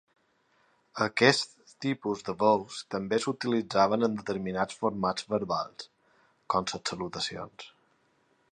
Aquests tipus de veus també s'utilitzaven en determinats formats verbals, com les salutacions.